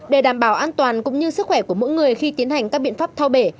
để đảm bảo an toàn cũng như sức khỏe của mỗi người khi tiến hành các biện pháp thao bể